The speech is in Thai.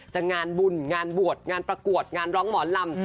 งานบุญงานบวชงานประกวดงานร้องหมอลำ